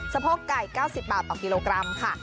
โพกไก่๙๐บาทต่อกิโลกรัมค่ะ